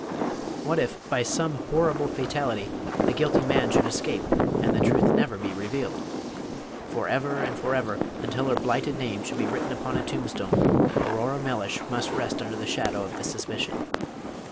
What if, by some horrible fatality, the guilty man should escape, and the truth never be revealed. For ever and for ever, until her blighted name should be written upon a tombstone, Aurora Mellish must rest under the shadow of this suspicion.